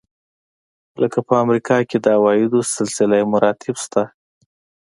لکه په امریکا کې د عوایدو سلسله مراتب شته.